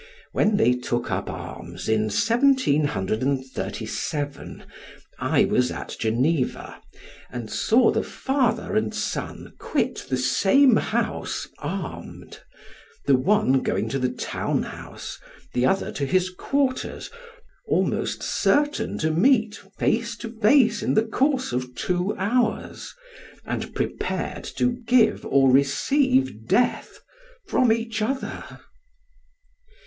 When they took up arms in 1737, I was at Geneva, and saw the father and son quit the same house armed, the one going to the townhouse, the other to his quarters, almost certain to meet face to face in the course of two hours, and prepared to give or receive death from each other.